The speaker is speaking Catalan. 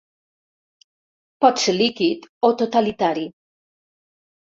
Pot ser líquid o totalitari.